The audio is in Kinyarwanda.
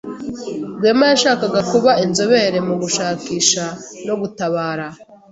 Rwema yashakaga kuba inzobere mu gushakisha no gutabara.